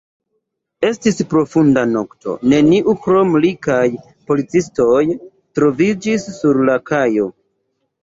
Estis profunda nokto, neniu krom li kaj policistoj troviĝis sur la kajo.